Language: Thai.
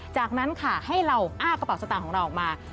จากนั้นค่ะให้เราอ้ากระเป๋าสตางค์ของเราออกมา